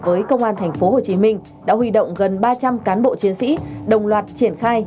với công an tp hồ chí minh đã huy động gần ba trăm linh cán bộ chiến sĩ đồng loạt triển khai